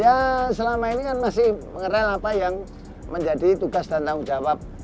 ya selama ini kan masih mengeral apa yang menjadi tugas dan tanggung jawab